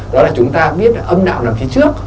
đó là chúng ta biết là âm đạo làm phía trước